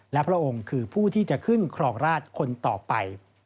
และพระองค์คือผู้ที่จะขึ้นครองราชคนต่อไป